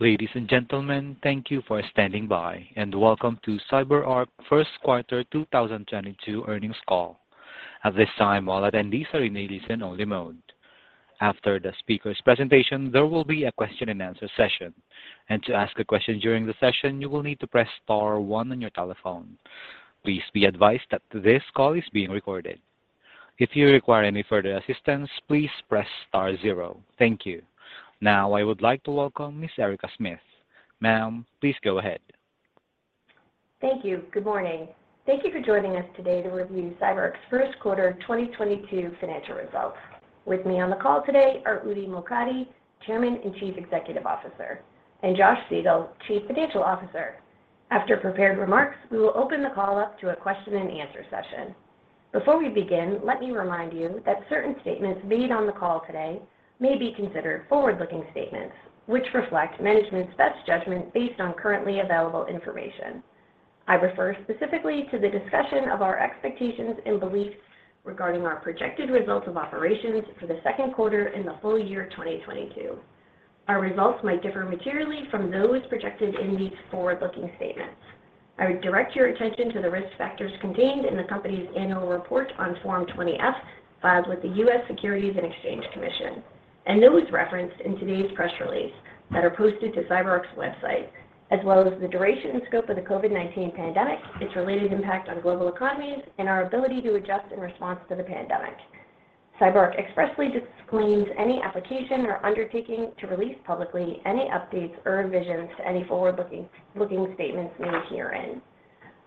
Ladies and gentlemen, thank you for standing by, and welcome to CyberArk First Quarter 2022 Earnings Call. At this time, all attendees are in a listen-only mode. After the speakers' presentation, there will be a question-and-answer session. To ask a question during the session, you will need to press star one on your telephone. Please be advised that this call is being recorded. If you require any further assistance, please press star zero. Thank you. Now I would like to welcome Ms. Erica Smith. Ma'am, please go ahead. Thank you. Good morning. Thank you for joining us today to review CyberArk's first quarter 2022 financial results. With me on the call today are Udi Mokady, Chairman and Chief Executive Officer, and Josh Siegel, Chief Financial Officer. After prepared remarks, we will open the call up to a question-and-answer session. Before we begin, let me remind you that certain statements made on the call today may be considered forward-looking statements which reflect management's best judgment based on currently available information. I refer specifically to the discussion of our expectations and beliefs regarding our projected results of operations for the second quarter and the full year 2022. Our results might differ materially from those projected in these forward-looking statements. I would direct your attention to the risk factors contained in the company's annual report on Form 20-F filed with the U.S. Securities and Exchange Commission, and those referenced in today's press release that are posted to CyberArk's website, as well as the duration and scope of the COVID-19 pandemic, its related impact on global economies, and our ability to adjust in response to the pandemic. CyberArk expressly disclaims any application or undertaking to release publicly any updates or revisions to any forward-looking statements made herein.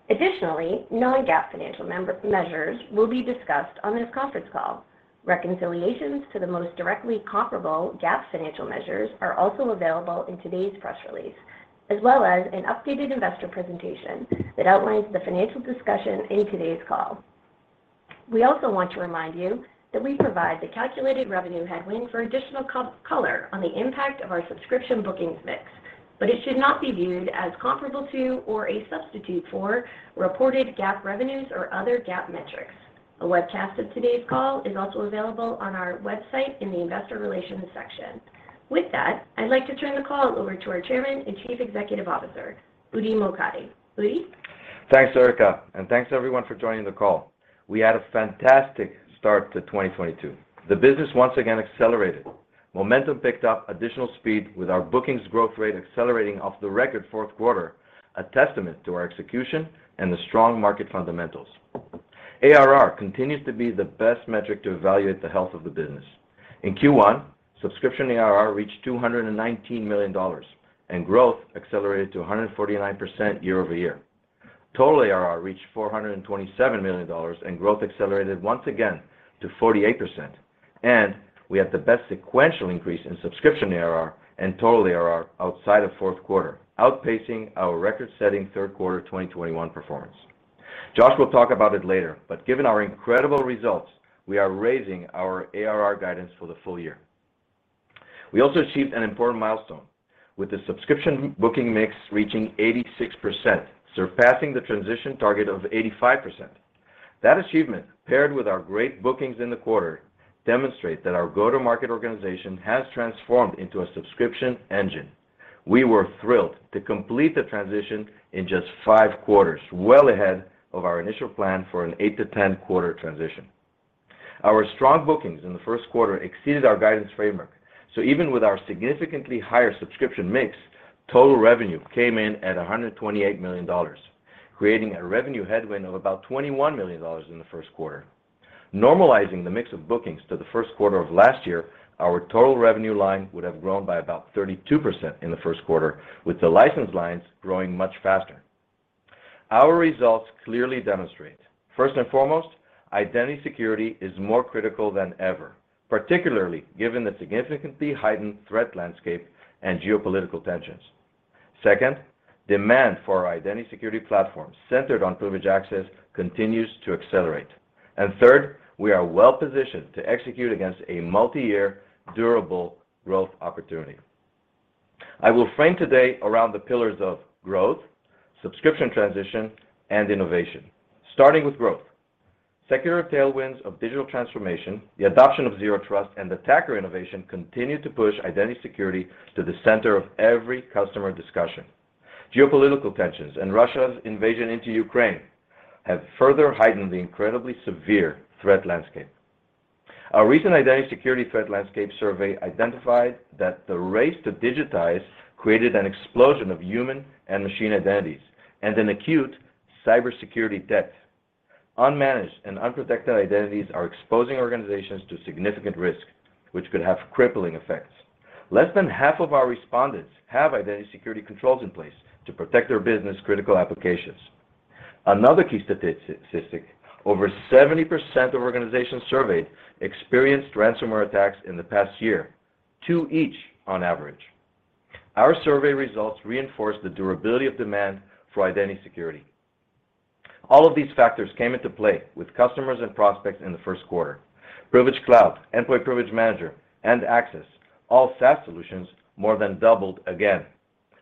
Additionally, non-GAAP financial measures will be discussed on this conference call. Reconciliations to the most directly comparable GAAP financial measures are also available in today's press release, as well as an updated investor presentation that outlines the financial discussion in today's call. We also want to remind you that we provide the calculated revenue headwind for additional color on the impact of our subscription bookings mix, but it should not be viewed as comparable to or a substitute for reported GAAP revenues or other GAAP metrics. A webcast of today's call is also available on our website in the Investor Relations section. With that, I'd like to turn the call over to our Chairman and Chief Executive Officer, Udi Mokady. Udi? Thanks, Erica, and thanks everyone for joining the call. We had a fantastic start to 2022. The business once again accelerated. Momentum picked up additional speed with our bookings growth rate accelerating off the record fourth quarter, a testament to our execution and the strong market fundamentals. ARR continues to be the best metric to evaluate the health of the business. In Q1, subscription ARR reached $219 million, and growth accelerated to 149% year-over-year. Total ARR reached $427 million, and growth accelerated once again to 48%. We had the best sequential increase in subscription ARR and total ARR outside of fourth quarter, outpacing our record-setting third quarter 2021 performance. Josh will talk about it later, but given our incredible results, we are raising our ARR guidance for the full year. We also achieved an important milestone with the subscription booking mix reaching 86%, surpassing the transition target of 85%. That achievement, paired with our great bookings in the quarter, demonstrate that our go-to-market organization has transformed into a subscription engine. We were thrilled to complete the transition in just five quarters, well ahead of our initial plan for an eight to ten-quarter transition. Our strong bookings in the first quarter exceeded our guidance framework, so even with our significantly higher subscription mix, total revenue came in at $128 million, creating a revenue headwind of about $21 million in the first quarter. Normalizing the mix of bookings to the first quarter of last year, our total revenue line would have grown by about 32% in the first quarter, with the license lines growing much faster. Our results clearly demonstrate, first and foremost, identity security is more critical than ever, particularly given the significantly heightened threat landscape and geopolitical tensions. Second, demand for our identity security platform centered on privileged access continues to accelerate. Third, we are well positioned to execute against a multi-year durable growth opportunity. I will frame today around the pillars of growth, subscription transition, and innovation. Starting with growth. Secular tailwinds of digital transformation, the adoption of Zero Trust, and attacker innovation continue to push identity security to the center of every customer discussion. Geopolitical tensions and Russia's invasion into Ukraine have further heightened the incredibly severe threat landscape. Our recent identity security threat landscape survey identified that the race to digitize created an explosion of human and machine identities and an acute cybersecurity debt. Unmanaged and unprotected identities are exposing organizations to significant risk, which could have crippling effects. Less than half of our respondents have identity security controls in place to protect their business-critical applications. Another key statistic: over 70% of organizations surveyed experienced ransomware attacks in the past year, two each on average. Our survey results reinforce the durability of demand for identity security. All of these factors came into play with customers and prospects in the first quarter. Privilege Cloud, Endpoint Privilege Manager, and Access, all SaaS solutions, more than doubled again.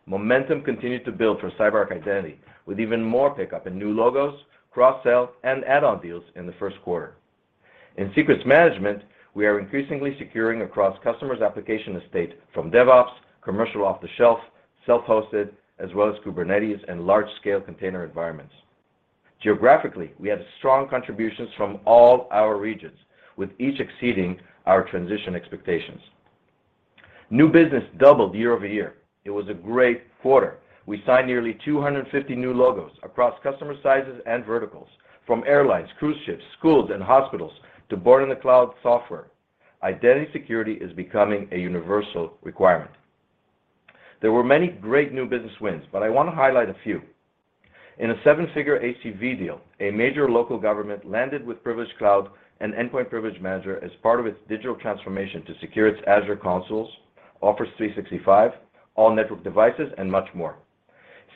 Momentum continued to build for CyberArk Identity with even more pickup in new logos, cross-sell, and add-on deals in the first quarter. In secrets management, we are increasingly securing across customers' application estate from DevOps, commercial off-the-shelf, self-hosted, as well as Kubernetes and large-scale container environments. Geographically, we had strong contributions from all our regions, with each exceeding our transition expectations. New business doubled year-over-year. It was a great quarter. We signed nearly 250 new logos across customer sizes and verticals, from airlines, cruise ships, schools, and hospitals to born in the cloud software. Identity security is becoming a universal requirement. There were many great new business wins, but I want to highlight a few. In a seven-figure ACV deal, a major local government landed with Privilege Cloud and Endpoint Privilege Manager as part of its digital transformation to secure its Azure consoles, Office 365, all network devices, and much more.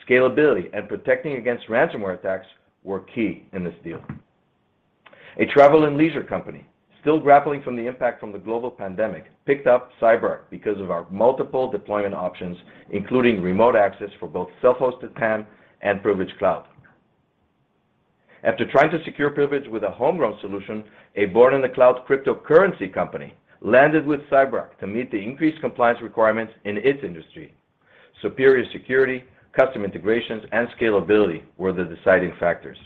Scalability and protecting against ransomware attacks were key in this deal. A travel and leisure company, still grappling with the impact of the global pandemic, picked up CyberArk because of our multiple deployment options, including remote access for both self-hosted PAM and Privilege Cloud. After trying to secure privilege with a homegrown solution, a born in the cloud cryptocurrency company landed with CyberArk to meet the increased compliance requirements in its industry. Superior security, custom integrations, and scalability were the deciding factors.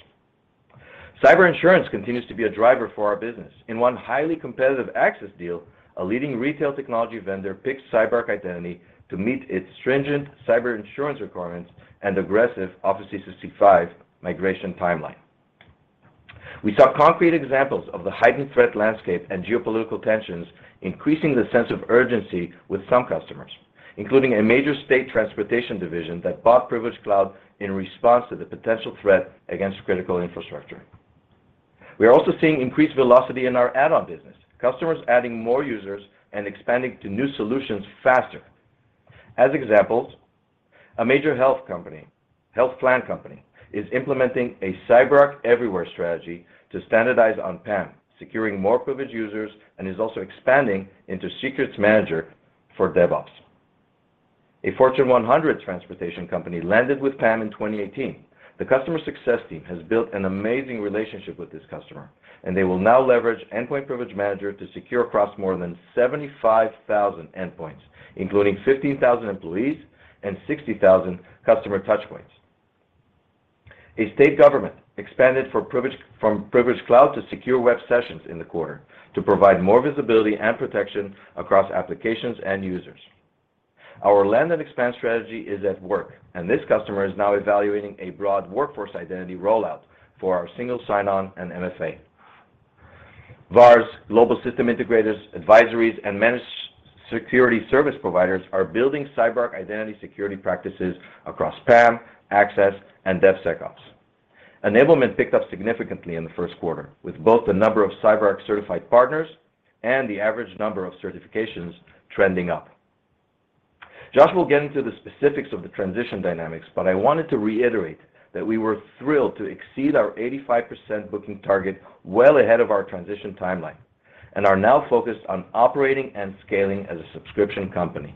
Cyber insurance continues to be a driver for our business. In one highly competitive access deal, a leading retail technology vendor picked CyberArk Identity to meet its stringent cyber insurance requirements and aggressive Office 365 migration timeline. We saw concrete examples of the heightened threat landscape and geopolitical tensions increasing the sense of urgency with some customers, including a major state transportation division that bought Privilege Cloud in response to the potential threat against critical infrastructure. We are also seeing increased velocity in our add-on business, customers adding more users and expanding to new solutions faster. As examples, a major health company, health plan company is implementing a CyberArk everywhere strategy to standardize on PAM, securing more privileged users, and is also expanding into Secrets Manager for DevOps. A Fortune 100 transportation company landed with PAM in 2018. The customer success team has built an amazing relationship with this customer, and they will now leverage Endpoint Privilege Manager to secure across more than 75,000 endpoints, including 15,000 employees and 60,000 customer touch points. A state government expanded Privileged, from Privilege Cloud to secure web sessions in the quarter to provide more visibility and protection across applications and users. Our land and expand strategy is at work, and this customer is now evaluating a broad workforce identity rollout for our single sign-on and MFA. VARs, global system integrators, advisories, and managed security service providers are building CyberArk identity security practices across PAM, Access, and DevSecOps. Enablement picked up significantly in the first quarter, with both the number of CyberArk certified partners and the average number of certifications trending up. Josh will get into the specifics of the transition dynamics, but I wanted to reiterate that we were thrilled to exceed our 85% booking target well ahead of our transition timeline and are now focused on operating and scaling as a subscription company.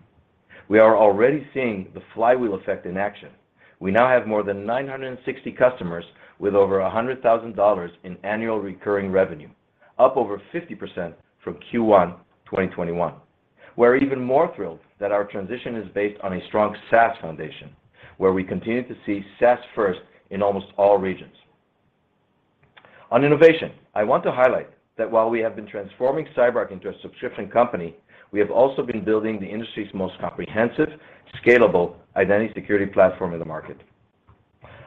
We are already seeing the flywheel effect in action. We now have more than 960 customers with over $100,000 in annual recurring revenue, up over 50% from Q1 2021. We're even more thrilled that our transition is based on a strong SaaS foundation, where we continue to see SaaS first in almost all regions. On innovation, I want to highlight that while we have been transforming CyberArk into a subscription company, we have also been building the industry's most comprehensive, scalable identity security platform in the market.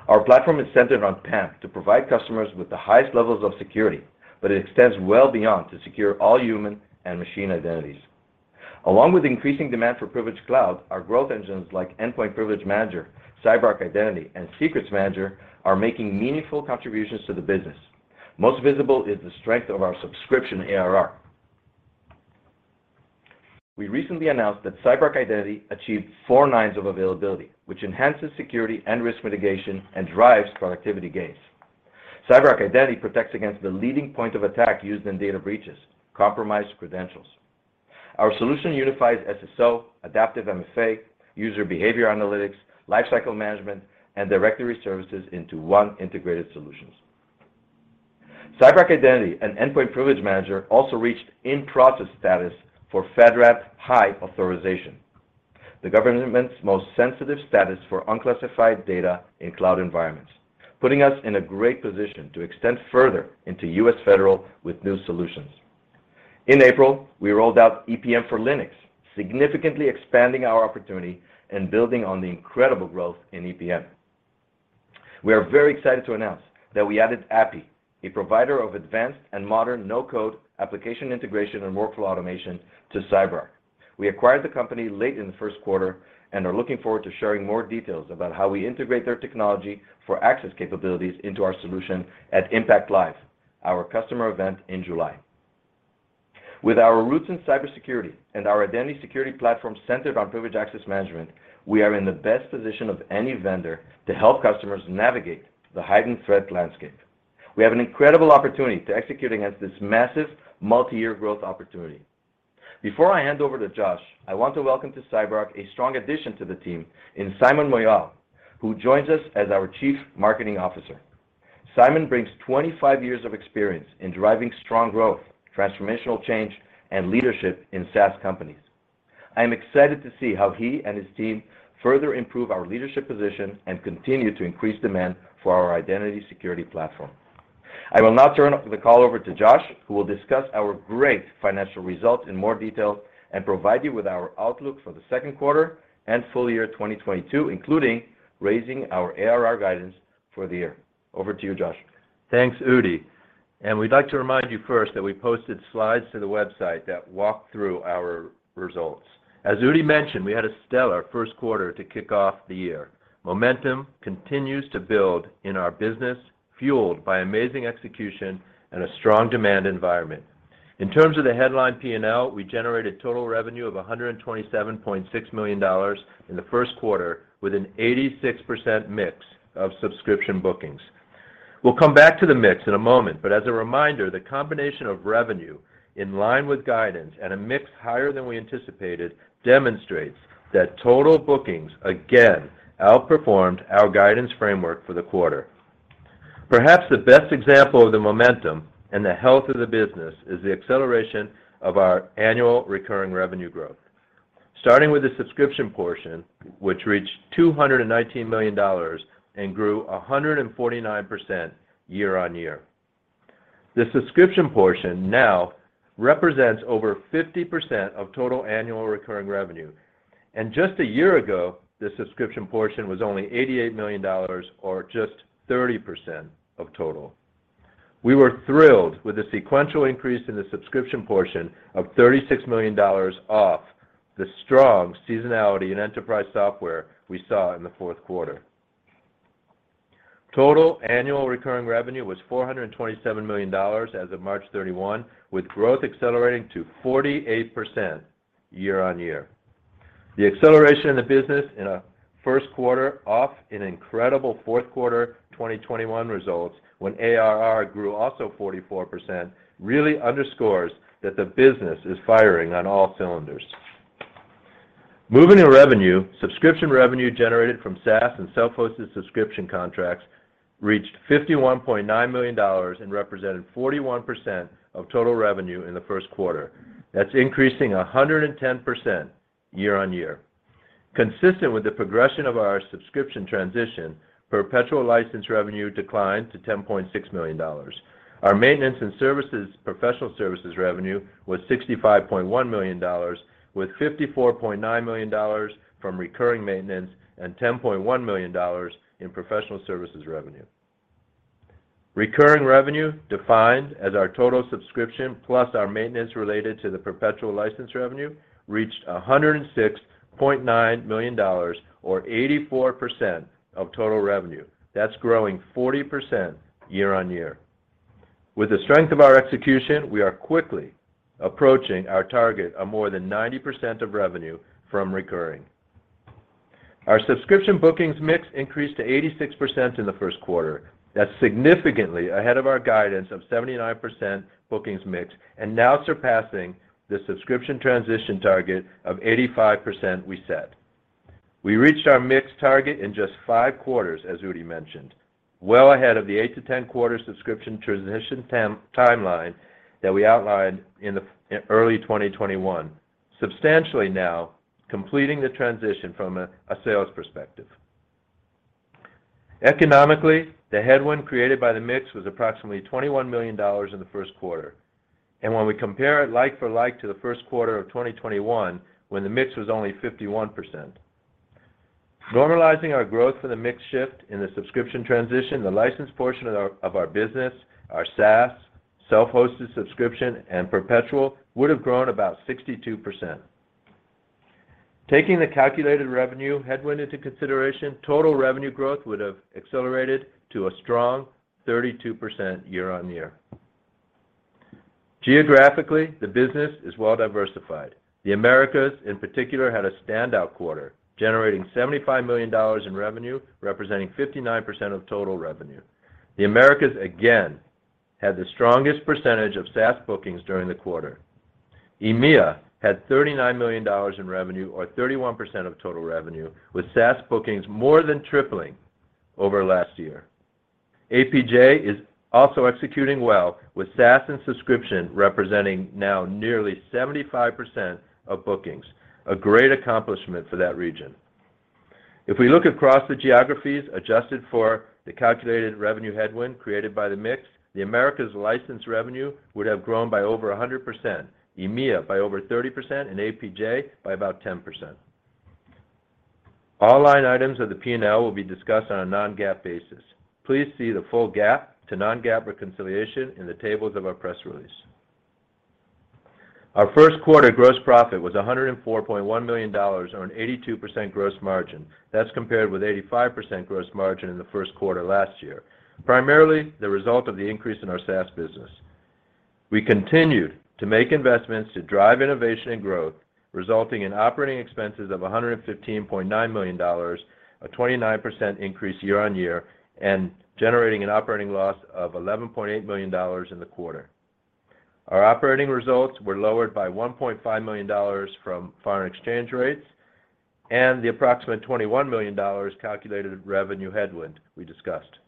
Our platform is centered on PAM to provide customers with the highest levels of security, but it extends well beyond to secure all human and machine identities. Along with increasing demand for Privilege Cloud, our growth engines like Endpoint Privilege Manager, CyberArk Identity, and Secrets Manager are making meaningful contributions to the business. Most visible is the strength of our subscription ARR. We recently announced that CyberArk Identity achieved four nines of availability, which enhances security and risk mitigation and drives productivity gains. CyberArk Identity protects against the leading point of attack used in data breaches, compromised credentials. Our solution unifies SSO, adaptive MFA, user behavior analytics, lifecycle management, and directory services into one integrated solutions. CyberArk Identity and Endpoint Privilege Manager also reached in-process status for FedRAMP High authorization, the government's most sensitive status for unclassified data in cloud environments, putting us in a great position to extend further into U.S. Federal with new solutions. In April, we rolled out EPM for Linux, significantly expanding our opportunity and building on the incredible growth in EPM. We are very excited to announce that we added aapi, a provider of advanced and modern no-code application integration and workflow automation to CyberArk. We acquired the company late in the first quarter and are looking forward to sharing more details about how we integrate their technology for access capabilities into our solution at Impact Live, our customer event in July. With our roots in cybersecurity and our identity security platform centered on privileged access management, we are in the best position of any vendor to help customers navigate the heightened threat landscape. We have an incredible opportunity to execute against this massive multi-year growth opportunity. Before I hand over to Josh, I want to welcome to CyberArk a strong addition to the team in Simon Mouyal, who joins us as our Chief Marketing Officer. Simon brings 25 years of experience in driving strong growth, transformational change, and leadership in SaaS companies. I am excited to see how he and his team further improve our leadership position and continue to increase demand for our identity security platform. I will now turn the call over to Josh, who will discuss our great financial results in more detail and provide you with our outlook for the second quarter and full year 2022, including raising our ARR guidance for the year. Over to you, Josh. Thanks, Udi. We'd like to remind you first that we posted slides to the website that walk through our results. As Udi mentioned, we had a stellar first quarter to kick off the year. Momentum continues to build in our business, fueled by amazing execution and a strong demand environment. In terms of the headline P&L, we generated total revenue of $127.6 million in the first quarter, with an 86% mix of subscription bookings. We'll come back to the mix in a moment, but as a reminder, the combination of revenue in line with guidance and a mix higher than we anticipated demonstrates that total bookings again outperformed our guidance framework for the quarter. Perhaps the best example of the momentum and the health of the business is the acceleration of our annual recurring revenue growth. Starting with the subscription portion, which reached $219 million and grew 149% year-on-year. The subscription portion now represents over 50% of total annual recurring revenue. Just a year ago, the subscription portion was only $88 million or just 30% of total. We were thrilled with the sequential increase in the subscription portion of $36 million off the strong seasonality in enterprise software we saw in the fourth quarter. Total annual recurring revenue was $427 million as of March 31, with growth accelerating to 48% year-on-year. The acceleration in the business in a first quarter off an incredible fourth quarter 2021 results when ARR grew also 44% really underscores that the business is firing on all cylinders. Moving to revenue, subscription revenue generated from SaaS and self-hosted subscription contracts reached $51.9 million and represented 41% of total revenue in the first quarter. That's increasing 110% year-on-year. Consistent with the progression of our subscription transition, perpetual license revenue declined to $10.6 million. Our maintenance and services, professional services revenue was $65.1 million, with $54.9 million from recurring maintenance and $10.1 million in professional services revenue. Recurring revenue, defined as our total subscription plus our maintenance related to the perpetual license revenue, reached $106.9 million or 84% of total revenue. That's growing 40% year-on-year. With the strength of our execution, we are quickly approaching our target of more than 90% of revenue from recurring. Our subscription bookings mix increased to 86% in the first quarter. That's significantly ahead of our guidance of 79% bookings mix, and now surpassing the subscription transition target of 85% we set. We reached our mix target in just five quarters, as Udi mentioned, well ahead of the eight to ten quarter subscription transition timeline that we outlined in early 2021, substantially now completing the transition from a sales perspective. Economically, the headwind created by the mix was approximately $21 million in the first quarter, and when we compare it like for like to the first quarter of 2021, when the mix was only 51%. Normalizing our growth for the mix shift in the subscription transition, the license portion of our business, our SaaS, self-hosted subscription, and perpetual would have grown about 62%. Taking the calculated revenue headwind into consideration, total revenue growth would have accelerated to a strong 32% year-over-year. Geographically, the business is well diversified. The Americas, in particular, had a standout quarter, generating $75 million in revenue, representing 59% of total revenue. The Americas, again, had the strongest percentage of SaaS bookings during the quarter. EMEA had $39 million in revenue or 31% of total revenue, with SaaS bookings more than tripling over last year. APJ is also executing well, with SaaS and subscription representing now nearly 75% of bookings, a great accomplishment for that region. If we look across the geographies adjusted for the calculated revenue headwind created by the mix, the Americas license revenue would have grown by over 100%, EMEA by over 30%, and APJ by about 10%. All line items of the P&L will be discussed on a non-GAAP basis. Please see the full GAAP to non-GAAP reconciliation in the tables of our press release. Our first quarter gross profit was $104.1 million on an 82% gross margin. That's compared with 85% gross margin in the first quarter last year, primarily the result of the increase in our SaaS business. We continued to make investments to drive innovation and growth, resulting in operating expenses of $115.9 million, a 29% increase year-on-year, and generating an operating loss of $11.8 million in the quarter. Our operating results were lowered by $1.5 million from foreign exchange rates and the approximate $21 million calculated revenue headwind we discussed.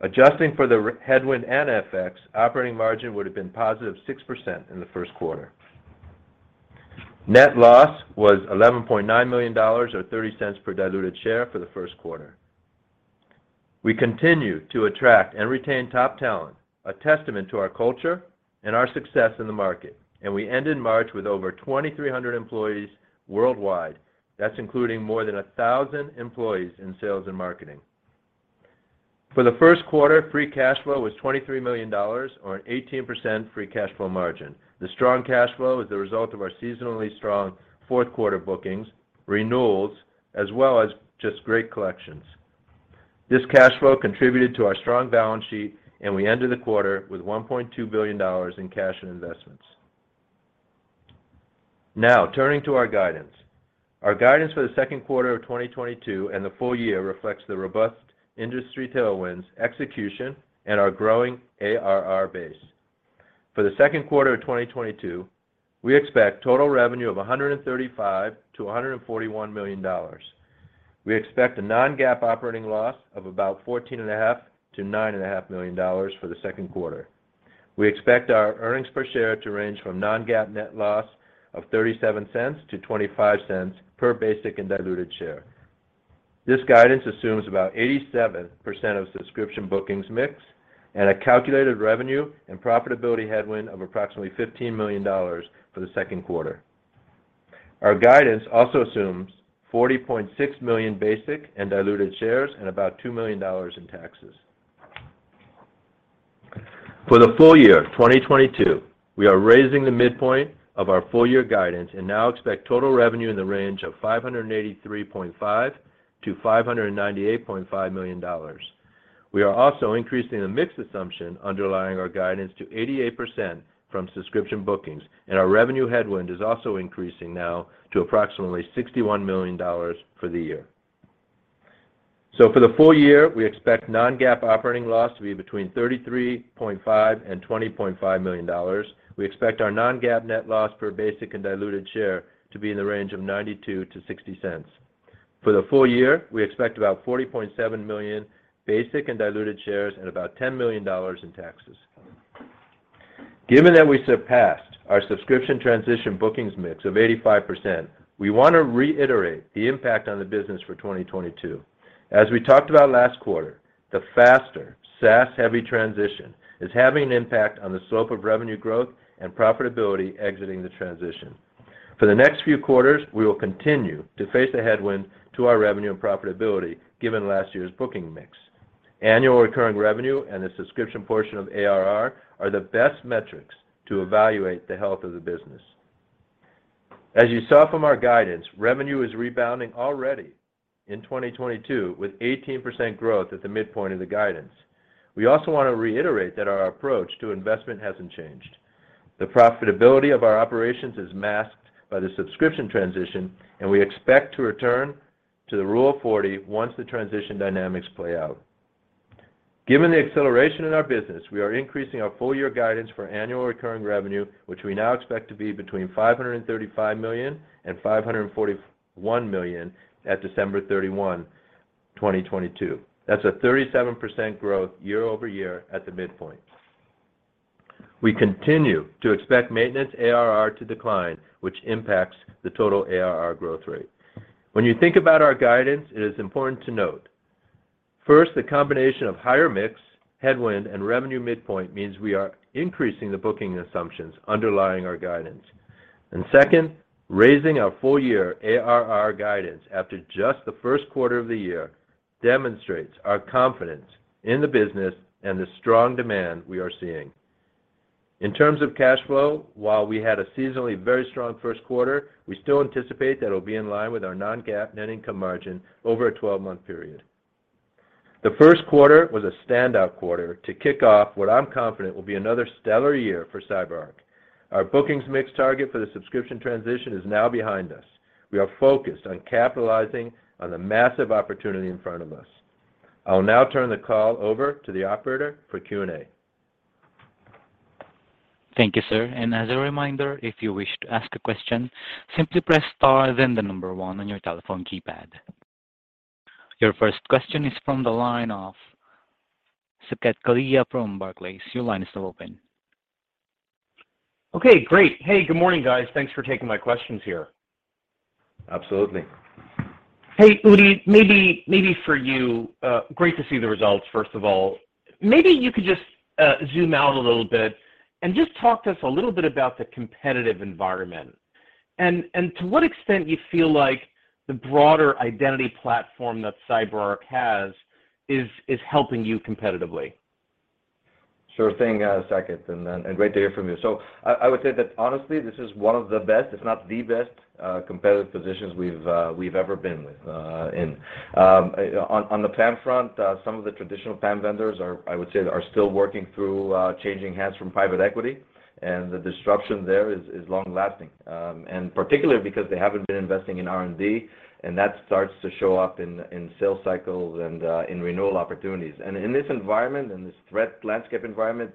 Adjusting for the headwind and FX, operating margin would have been positive 6% in the first quarter. Net loss was $11.9 million or $0.30 per diluted share for the first quarter. We continue to attract and retain top talent, a testament to our culture and our success in the market. We end in March with over 2,300 employees worldwide. That's including more than 1,000 employees in sales and marketing. For the first quarter, free cash flow was $23 million or 18% free cash flow margin. The strong cash flow is the result of our seasonally strong fourth quarter bookings, renewals, as well as just great collections. This cash flow contributed to our strong balance sheet, and we ended the quarter with $1.2 billion in cash and investments. Now, turning to our guidance. Our guidance for the second quarter of 2022 and the full year reflects the robust industry tailwinds, execution, and our growing ARR base. For the second quarter of 2022, we expect total revenue of $135 million-$141 million. We expect a non-GAAP operating loss of about $14.5 million-$9.5 million for the second quarter. We expect our earnings per share to range from non-GAAP net loss of $0.37 to $0.25 per basic and diluted share. This guidance assumes about 87% of subscription bookings mix and a calculated revenue and profitability headwind of approximately $15 million for the second quarter. Our guidance also assumes 40.6 million basic and diluted shares and about $2 million in taxes. For the full year 2022, we are raising the midpoint of our full year guidance and now expect total revenue in the range of $583.5 million-$598.5 million. We are also increasing the mix assumption underlying our guidance to 88% from subscription bookings, and our revenue headwind is also increasing now to approximately $61 million for the year. For the full year, we expect non-GAAP operating loss to be between $33.5 million and $20.5 million. We expect our non-GAAP net loss per basic and diluted share to be in the range of $0.92-$0.60. For the full year, we expect about 40.7 million basic and diluted shares and about $10 million in taxes. Given that we surpassed our subscription transition bookings mix of 85%, we want to reiterate the impact on the business for 2022. As we talked about last quarter, the faster SaaS-heavy transition is having an impact on the slope of revenue growth and profitability exiting the transition. For the next few quarters, we will continue to face the headwind to our revenue and profitability given last year's booking mix. Annual recurring revenue and the subscription portion of ARR are the best metrics to evaluate the health of the business. As you saw from our guidance, revenue is rebounding already in 2022 with 18% growth at the midpoint of the guidance. We also want to reiterate that our approach to investment hasn't changed. The profitability of our operations is masked by the subscription transition, and we expect to return to the Rule of 40 once the transition dynamics play out. Given the acceleration in our business, we are increasing our full year guidance for annual recurring revenue, which we now expect to be between $535 million and $541 million at December 31, 2022. That's a 37% growth year-over-year at the midpoint. We continue to expect maintenance ARR to decline, which impacts the total ARR growth rate. When you think about our guidance, it is important to note, first, the combination of higher mix, headwind, and revenue midpoint means we are increasing the booking assumptions underlying our guidance. Second, raising our full year ARR guidance after just the first quarter of the year demonstrates our confidence in the business and the strong demand we are seeing. In terms of cash flow, while we had a seasonally very strong first quarter, we still anticipate that it'll be in line with our non-GAAP net income margin over a twelve-month period. The first quarter was a standout quarter to kick off what I'm confident will be another stellar year for CyberArk. Our bookings mix target for the subscription transition is now behind us. We are focused on capitalizing on the massive opportunity in front of us. I will now turn the call over to the operator for Q&A. Thank you, sir. As a reminder, if you wish to ask a question, simply press star then the number one on your telephone keypad. Your first question is from the line of Saket Kalia from Barclays. Your line is now open. Absolutely. Hey, Udi, maybe for you, great to see the results, first of all. Maybe you could just zoom out a little bit and just talk to us a little bit about the competitive environment and to what extent you feel like the broader identity platform that CyberArk has is helping you competitively. Sure thing, Saket, and great to hear from you. I would say that honestly, this is one of the best, if not the best, competitive positions we've ever been within. On the PAM front, some of the traditional PAM vendors are, I would say, still working through changing hands from private equity, and the disruption there is long lasting, and particularly because they haven't been investing in R&D, and that starts to show up in sales cycles and in renewal opportunities. In this environment, in this threat landscape environment,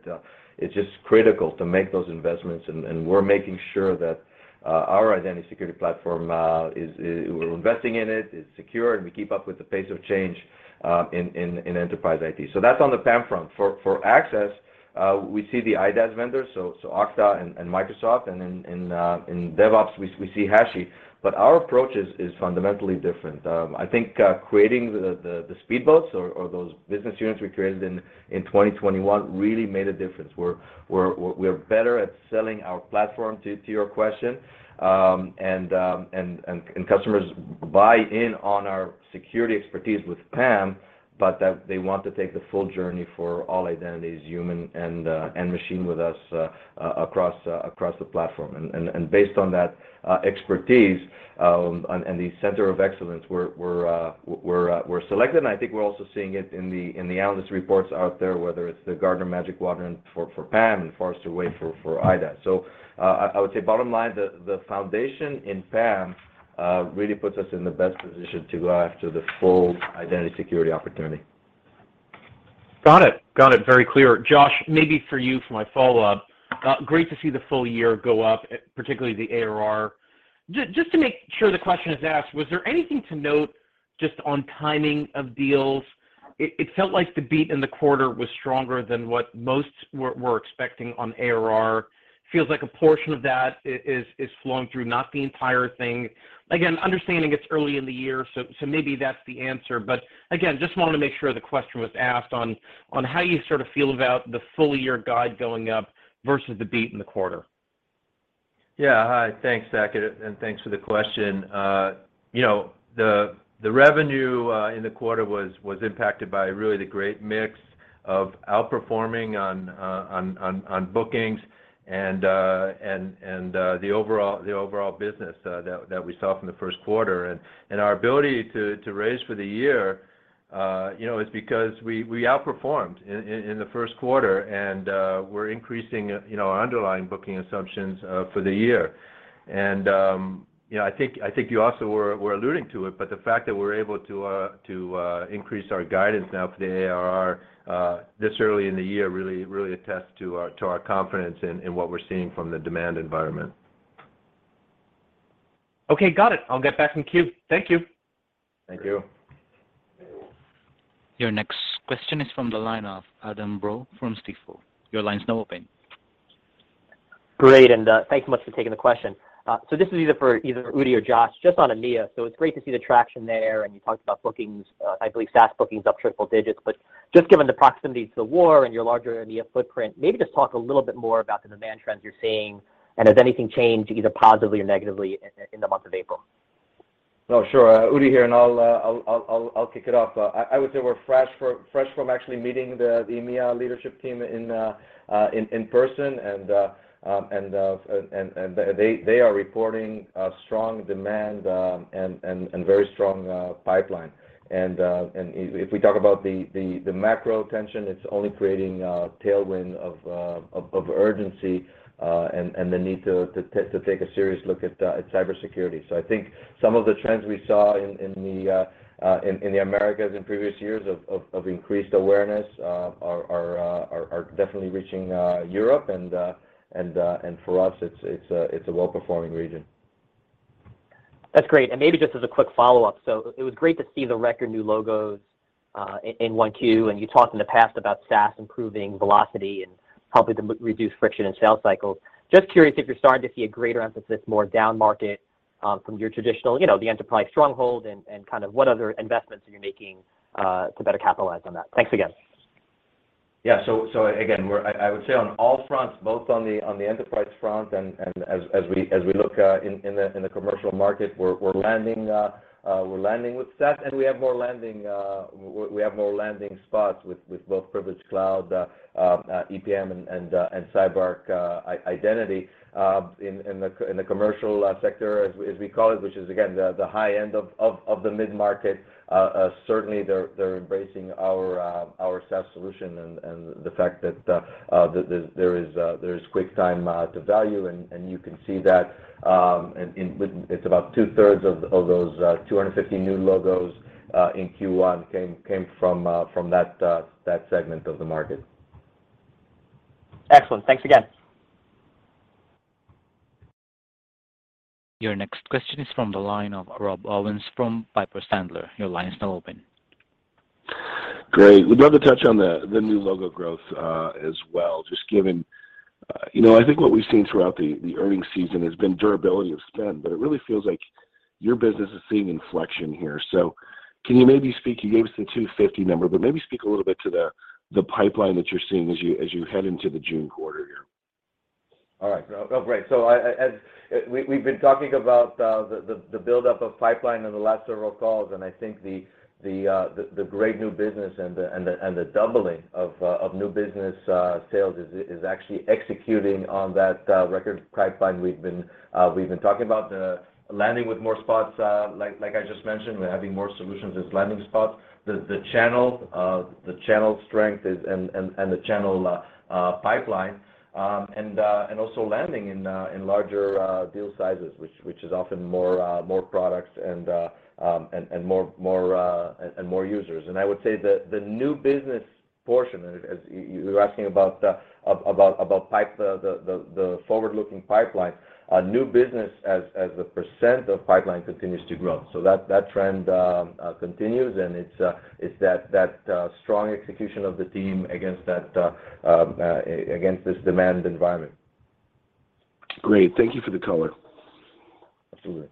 it's just critical to make those investments, and we're making sure that Our identity security platform. We're investing in it's secure, and we keep up with the pace of change in enterprise IT. That's on the PAM front. For access, we see the IDaaS vendors, Okta and Microsoft, and then in DevOps we see HashiCorp. Our approach is fundamentally different. I think creating the speed boats or those business units we created in 2021 really made a difference. We're better at selling our platform to your question. Customers buy in on our security expertise with PAM, but that they want to take the full journey for all identities, human and machine with us across the platform. Based on that expertise and the center of excellence, we're selected, and I think we're also seeing it in the analyst reports out there, whether it's the Gartner Magic Quadrant for PAM and Forrester Wave for IDaaS. I would say bottom line, the foundation in PAM really puts us in the best position to go after the full identity security opportunity. Got it very clear. Josh, maybe for you for my follow-up. Great to see the full year go up, particularly the ARR. Just to make sure the question is asked, was there anything to note just on timing of deals? It felt like the beat in the quarter was stronger than what most were expecting on ARR. Feels like a portion of that is flowing through, not the entire thing. Again, understanding it's early in the year, so maybe that's the answer. Again, just wanted to make sure the question was asked on how you sort of feel about the full year guide going up versus the beat in the quarter. Yeah. Hi, thanks, Saket, and thanks for the question. You know, the revenue in the quarter was impacted by really the great mix of outperforming on bookings and the overall business that we saw from the first quarter. Our ability to raise for the year you know is because we outperformed in the first quarter and we're increasing you know underlying booking assumptions for the year. You know, I think you also were alluding to it, but the fact that we're able to increase our guidance now for the ARR this early in the year really attests to our confidence in what we're seeing from the demand environment. Okay, got it. I'll get back in queue. Thank you. Thank you. Your next question is from the line of Adam Borg from Stifel. Your line's now open. Great, thanks so much for taking the question. This is either for Udi or Josh, just on EMEA. It's great to see the traction there, and you talked about bookings, I believe SaaS bookings up triple digits. Just given the proximity to the war and your larger EMEA footprint, maybe just talk a little bit more about the demand trends you're seeing, and has anything changed either positively or negatively in the month of April? Oh, sure. Udi here, and I'll kick it off. I would say we're fresh from actually meeting the EMEA leadership team in person, and they are reporting a strong demand and very strong pipeline. If we talk about the macro tension, it's only creating a tailwind of urgency and the need to take a serious look at cybersecurity. I think some of the trends we saw in the Americas in previous years of increased awareness are definitely reaching Europe, and for us it's a well-performing region. That's great. Maybe just as a quick follow-up, it was great to see the record new logos in one Q, and you talked in the past about SaaS improving velocity and helping to reduce friction in sales cycles. Just curious if you're starting to see a greater emphasis more down-market from your traditional, you know, the enterprise stronghold and kind of what other investments are you making to better capitalize on that? Thanks again. Again, I would say on all fronts, both on the enterprise front and as we look in the commercial market, we're landing with SaaS, and we have more landing spots with both Privilege Cloud, EPM and CyberArk Identity, in the commercial sector as we call it, which is again, the high end of the mid-market. Certainly they're embracing our SaaS solution and the fact that there is quick time to value and you can see that, and with. It's about two-thirds of those 250 new logos in Q1 came from that segment of the market. Excellent. Thanks again. Your next question is from the line of Rob Owens from Piper Sandler. Your line is now open. Great. Would love to touch on the new logo growth as well, just given you know, I think what we've seen throughout the earnings season has been durability of spend, but it really feels like your business is seeing inflection here. Can you maybe speak, you gave us the 250 number, but maybe speak a little bit to the pipeline that you're seeing as you head into the June quarter here. All right, Rob. Great. As we've been talking about, the buildup of pipeline over the last several calls, and I think the great new business and the doubling of new business sales is actually executing on that record pipeline we've been talking about. The landing with more spots, like I just mentioned, we're having more solutions as landing spots. The channel strength and the channel pipeline, and also landing in larger deal sizes, which is often more products and more users. I would say the new business portion, as you were asking about the forward-looking pipeline, new business as a percent of pipeline continues to grow. That trend continues, and it's that strong execution of the team against this demand environment. Great. Thank you for the color. Absolutely.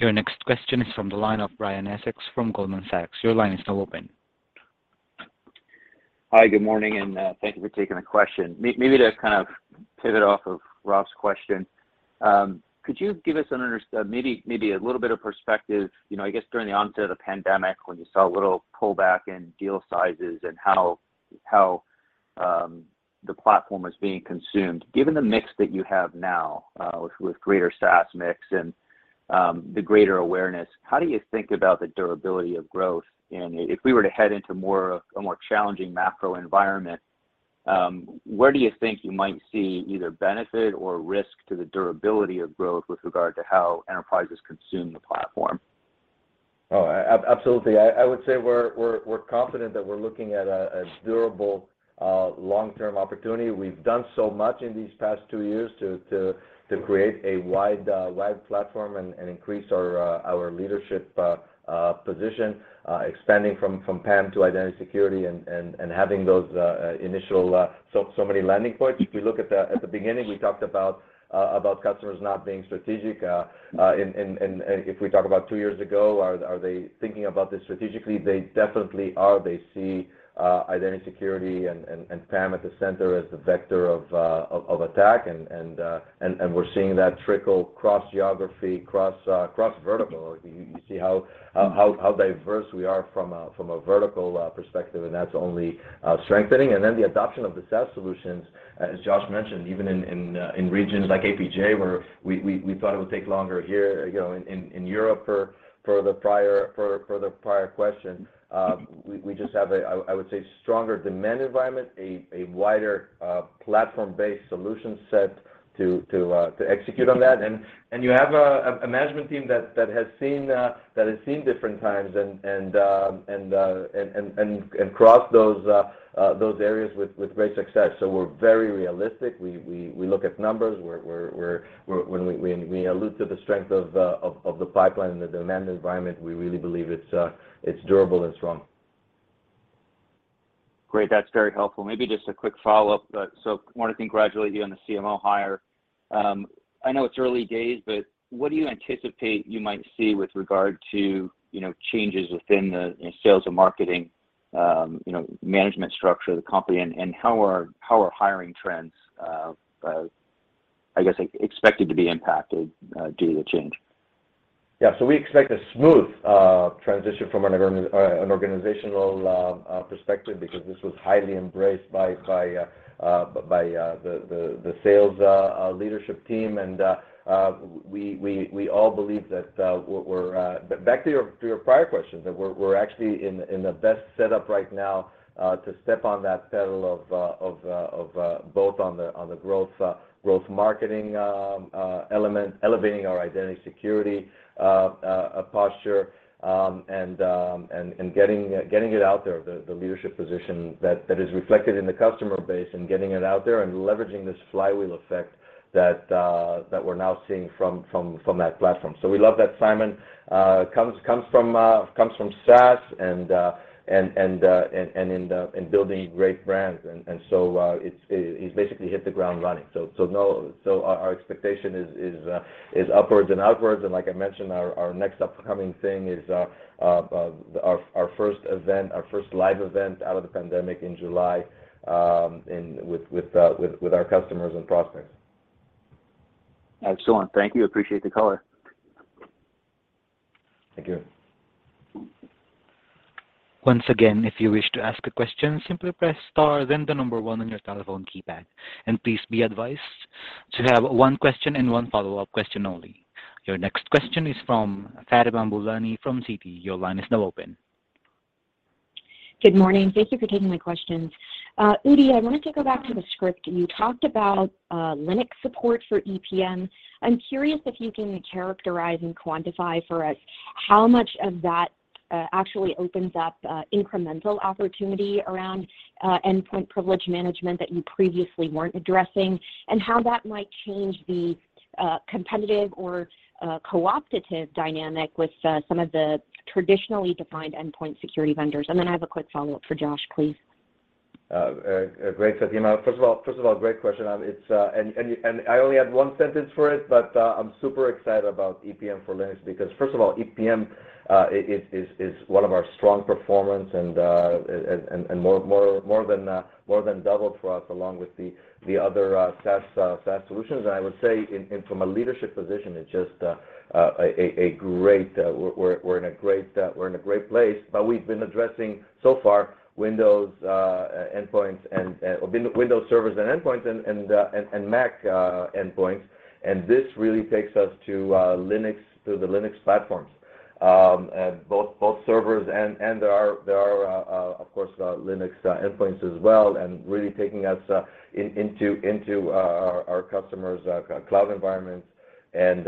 Your next question is from the line of Brian Essex from Goldman Sachs. Your line is now open. Hi, good morning, and thank you for taking the question. Maybe to kind of pivot off of Rob's question, could you give us maybe a little bit of perspective, you know, I guess during the onset of the pandemic when you saw a little pullback in deal sizes and how the platform was being consumed. Given the mix that you have now, with greater SaaS mix and the greater awareness, how do you think about the durability of growth? If we were to head into more of a more challenging macro environment, where do you think you might see either benefit or risk to the durability of growth with regard to how enterprises consume the platform? Oh, absolutely. I would say we're confident that we're looking at a durable long-term opportunity. We've done so much in these past two years to create a wide platform and increase our leadership position, expanding from PAM to identity security and having those initial so many landing points. If you look at the beginning, we talked about customers not being strategic, and if we talk about two years ago, are they thinking about this strategically? They definitely are. They see identity security and PAM at the center as the vector of attack, and we're seeing that trickle across geography, across vertical. You see how diverse we are from a vertical perspective, and that's only strengthening. The adoption of the SaaS solutions, as Josh mentioned, even in regions like APJ where we thought it would take longer here, you know, in Europe for the prior question. We just have, I would say, a stronger demand environment, a wider platform-based solution set to execute on that. You have a management team that has seen different times and crossed those areas with great success. We're very realistic. We look at numbers. We're When we allude to the strength of the pipeline and the demand environment, we really believe it's durable and strong. Great. That's very helpful. Maybe just a quick follow-up. Want to congratulate you on the CMO hire. I know it's early days, but what do you anticipate you might see with regard to, you know, changes within the sales and marketing, you know, management structure of the company, and how are hiring trends, I guess, expected to be impacted, due to the change? We expect a smooth transition from an organizational perspective because this was highly embraced by the sales leadership team. We all believe that, back to your prior question, we're actually in the best setup right now to step on that pedal of both on the growth marketing element, elevating our identity security posture, and getting it out there, the leadership position that is reflected in the customer base and getting it out there and leveraging this flywheel effect that we're now seeing from that platform. We love that Simon comes from SaaS and building great brands. He's basically hit the ground running. Our expectation is upwards and outwards. Like I mentioned, our next upcoming thing is our first event, our first live event out of the pandemic in July, and with our customers and prospects. Excellent. Thank you. Appreciate the color. Thank you. Once again, if you wish to ask a question, simply press star then the number one on your telephone keypad. Please be advised to have one question and one follow-up question only. Your next question is from Fatima Boolani from Citi. Your line is now open. Good morning. Thank you for taking my questions. Udi, I wanted to go back to the script. You talked about Linux support for EPM. I'm curious if you can characterize and quantify for us how much of that actually opens up incremental opportunity around endpoint privilege management that you previously weren't addressing, and how that might change the competitive or cooperative dynamic with some of the traditionally defined endpoint security vendors. Then I have a quick follow-up for Josh, please. Great, Fatima. First of all, great question. I only had one sentence for it, but I'm super excited about EPM for Linux because first of all, EPM is one of our strong performers and more than doubled for us along with the other SaaS solutions. I would say, and from a leadership position, it's just a great place. We're in a great place. We've been addressing so far Windows endpoints and, or Windows servers and endpoints, and Mac endpoints. This really takes us to Linux, to the Linux platforms. Both servers and there are of course Linux endpoints as well and really taking us into our customers' cloud environments and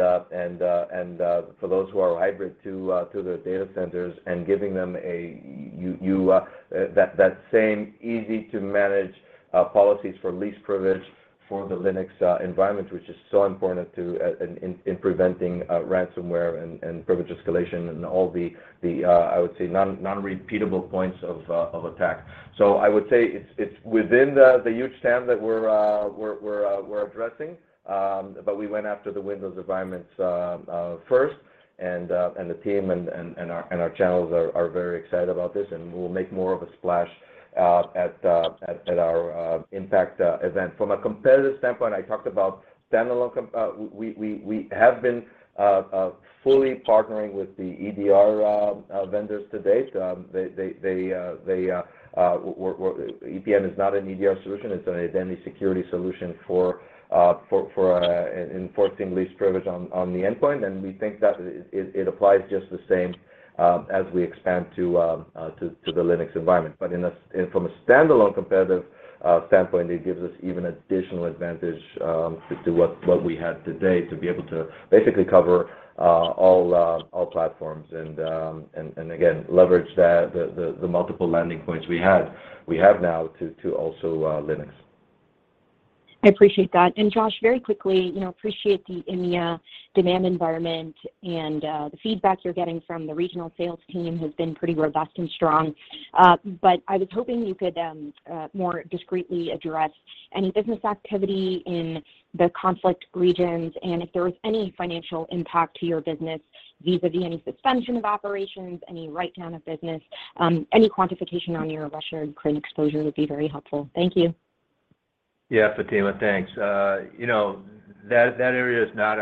for those who are hybrid to the data centers and giving them that same easy to manage policies for least privilege for the Linux environment, which is so important in preventing ransomware and privilege escalation and all the I would say non-repeatable points of attack. It's within the huge TAM that we're addressing. We went after the Windows environments first. The team and our channels are very excited about this, and we'll make more of a splash at our Impact event. From a competitive standpoint, we have been fully partnering with the EDR vendors to date. EPM is not an EDR solution, it's an identity security solution for enforcing least privilege on the endpoint, and we think that it applies just the same as we expand to the Linux environment. From a standalone competitive standpoint, it gives us even additional advantage to what we had today to be able to basically cover all platforms and again leverage that the multiple landing points we have now to also Linux. I appreciate that. Josh, very quickly, you know, appreciate the EMEA demand environment and the feedback you're getting from the regional sales team has been pretty robust and strong. I was hoping you could more discreetly address any business activity in the conflict regions and if there was any financial impact to your business vis-à-vis any suspension of operations, any write-down of business, any quantification on your Russian and Ukraine exposure would be very helpful. Thank you. Yeah, Fatima, thanks. You know, that area is not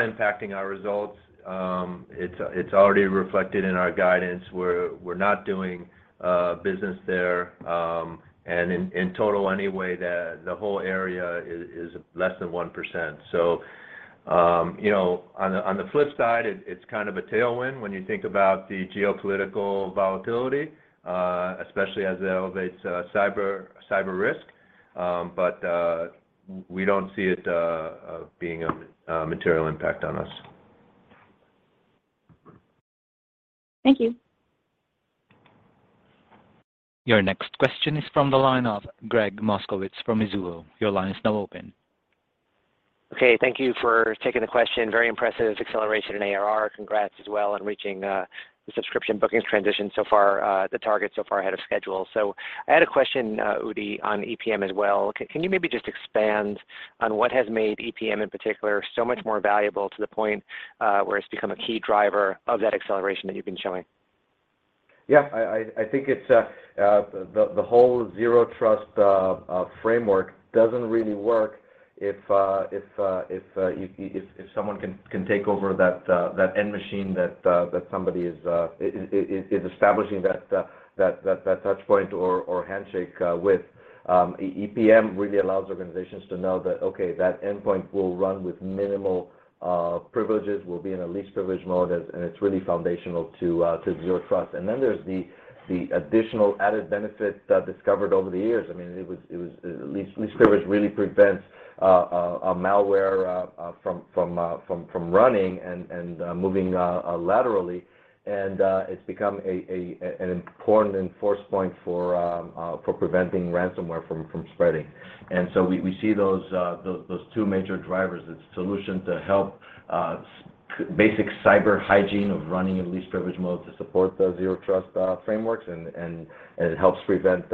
impacting our results. It's already reflected in our guidance. We're not doing business there, and in total anyway, the whole area is less than 1%. You know, on the flip side, it's kind of a tailwind when you think about the geopolitical volatility, especially as it elevates cyber risk. We don't see it being a material impact on us. Thank you. Your next question is from the line of Gregg Moskowitz from Mizuho. Your line is now open. Okay, thank you for taking the question. Very impressive acceleration in ARR. Congrats as well on reaching the subscription bookings transition so far, the target so far ahead of schedule. I had a question, Udi, on EPM as well. Can you maybe just expand on what has made EPM in particular so much more valuable to the point where it's become a key driver of that acceleration that you've been showing? Yeah. I think it's the whole Zero Trust framework doesn't really work if someone can take over that end machine that somebody is establishing that touch point or handshake with. EPM really allows organizations to know that, okay, that endpoint will run with minimal privileges, will be in a least privilege mode, and it's really foundational to Zero Trust. Then there's the additional added benefit discovered over the years. I mean, least privilege really prevents a malware from running and moving laterally. It's become an important enforcement point for preventing ransomware from spreading. We see those two major drivers as solutions to help basic cyber hygiene of running in least privilege mode to support the Zero Trust frameworks, and it helps prevent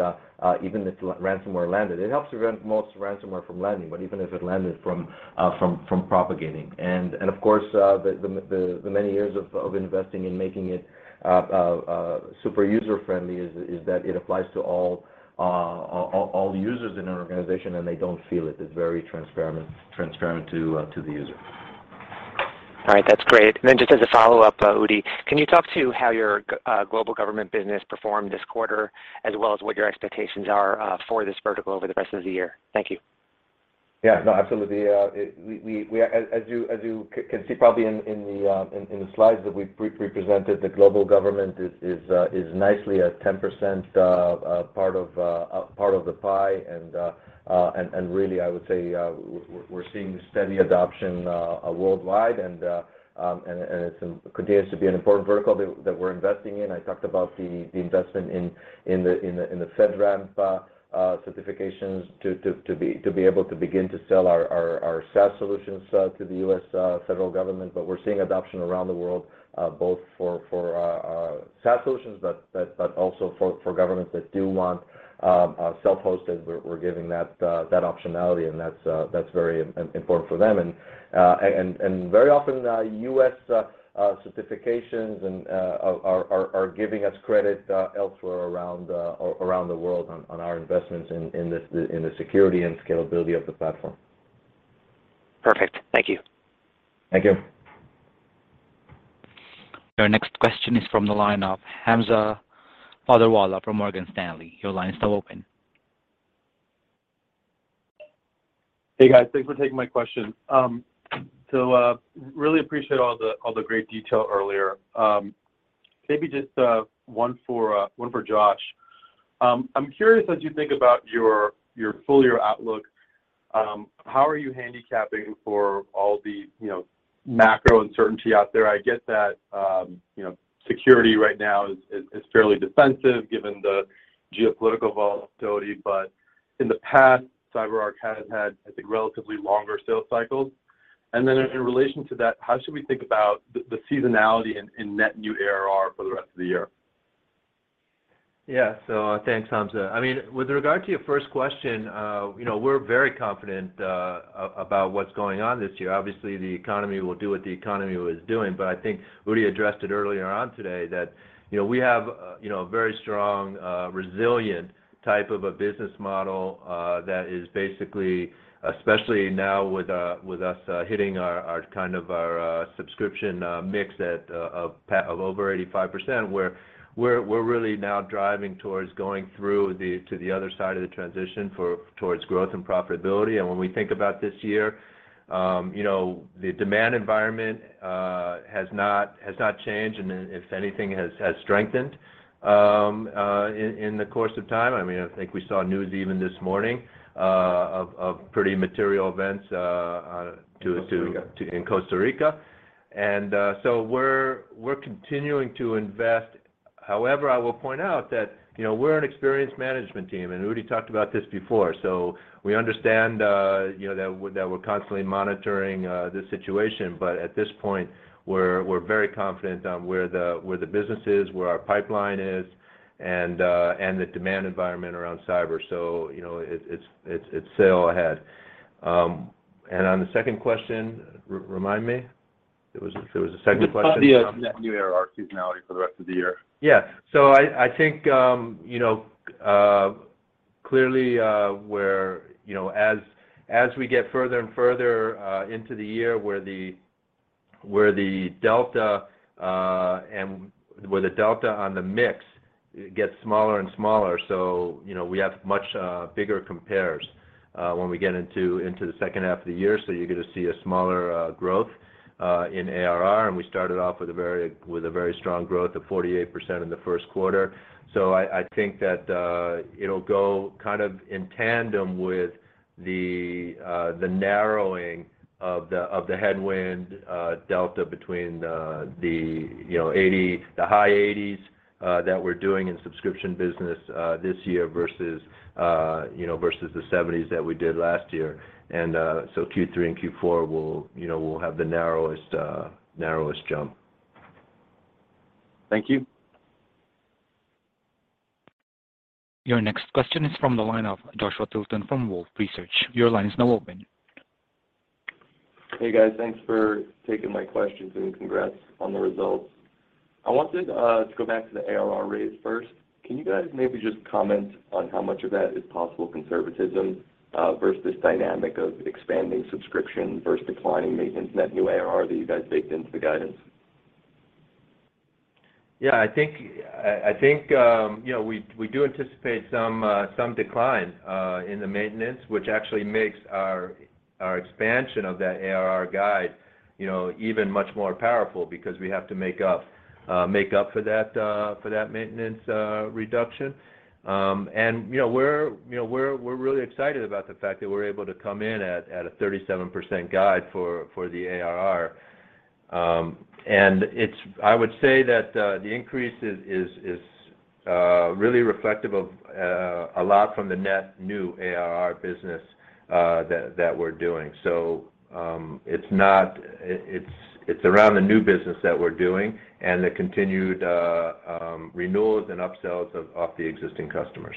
even if ransomware landed. It helps prevent most ransomware from landing, but even if it landed from propagating. Of course, the many years of investing in making it super user-friendly is that it applies to all users in an organization, and they don't feel it. It's very transparent to the user. All right, that's great. Just as a follow-up, Udi, can you talk to how your global government business performed this quarter, as well as what your expectations are, for this vertical over the rest of the year? Thank you. Yeah, no, absolutely. As you can see probably in the slides that we presented, the global government is nicely a 10% part of the pie. Really, I would say, we're seeing steady adoption worldwide, and it continues to be an important vertical that we're investing in. I talked about the investment in the FedRAMP certifications to be able to begin to sell our SaaS solutions to the U.S. federal government. We're seeing adoption around the world, both for SaaS solutions, but also for governments that do want self-hosted. We're giving that optionality, and that's very important for them. Very often, U.S. certifications are giving us credit elsewhere around the world on our investments in the security and scalability of the platform. Perfect. Thank you. Thank you. Your next question is from the line of Hamza Fodderwala from Morgan Stanley. Your line is now open. Hey, guys. Thanks for taking my question. Really appreciate all the great detail earlier. Maybe just one for Josh. I'm curious as you think about your full year outlook, how are you handicapping for all the, you know, macro uncertainty out there? I get that, you know, security right now is fairly defensive given the geopolitical volatility. In the past, CyberArk has had, I think, relatively longer sales cycles. Then in relation to that, how should we think about the seasonality in net new ARR for the rest of the year? Yeah. Thanks Hamza. I mean, with regard to your first question, you know, we're very confident about what's going on this year. Obviously, the economy will do what the economy was doing. I think Udi addressed it earlier on today that, you know, we have, you know, a very strong resilient type of a business model that is basically, especially now with us hitting our kind of subscription mix at of over 85%, we're really now driving towards going through to the other side of the transition towards growth and profitability. When we think about this year, you know, the demand environment has not changed, and then if anything, has strengthened in the course of time. I mean, I think we saw news even this morning, of pretty material events. Costa Rica In Costa Rica. We're continuing to invest. However, I will point out that, you know, we're an experienced management team, and Udi talked about this before, so we understand, you know, that we're constantly monitoring the situation. At this point, we're very confident on where the business is, where our pipeline is, and the demand environment around cyber. You know, it's sail ahead. On the second question, remind me. There was a second question. It's about the net new ARR seasonality for the rest of the year. Yeah. I think, you know, clearly, we're, you know, as we get further and further into the year where the delta on the mix gets smaller and smaller, so, you know, we have much bigger compares when we get into the second half of the year, so you're gonna see a smaller growth in ARR. We started off with a very strong growth of 48% in the first quarter. I think that it'll go kind of in tandem with the narrowing of the headwind delta between the high 80s that we're doing in subscription business this year versus the 70s that we did last year. Q3 and Q4 will, you know, have the narrowest jump. Thank you. Your next question is from the line of Joshua Tilton from Wolfe Research. Your line is now open. Hey guys, thanks for taking my questions, and congrats on the results. I wanted to go back to the ARR raise first. Can you guys maybe just comment on how much of that is possible conservatism versus dynamic of expanding subscription versus declining maintenance net new ARR that you guys baked into the guidance? Yeah, I think, you know, we do anticipate some decline in the maintenance, which actually makes our expansion of that ARR guide, you know, even much more powerful because we have to make up for that maintenance reduction. You know, we're really excited about the fact that we're able to come in at a 37% guide for the ARR. It's. I would say that the increase is really reflective of a lot from the net new ARR business that we're doing. It's not. It's around the new business that we're doing and the continued renewals and upsells off the existing customers.